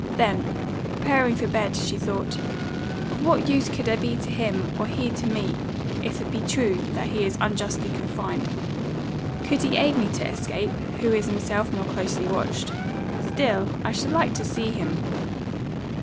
Then, preparing for bed, she thought, "Of what use could I be to him, or he to me, if it be true that he is unjustly confined? Could he aid me to escape, who is himself more closely watched? Still I should like to see him."